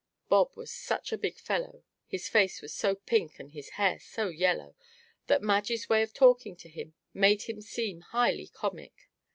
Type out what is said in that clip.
Bob was such a big fellow his face was so pink, and his hair so yellow that Madge's way of talking to him made him seem highly comic.